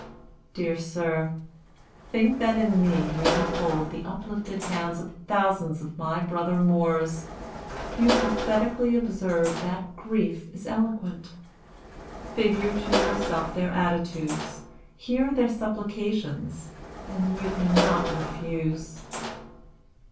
Dear sir, think that in me you behold the uplifted hands of thousands of my brother Moors. You pathetically observe that grief is eloquent. Figure to yourself their attitudes, hear their supplications, and you cannot refuse."